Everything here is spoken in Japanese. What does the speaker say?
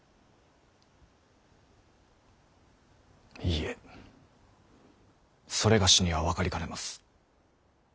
いいえ某には分かりかねます。